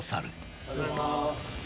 おはようございます。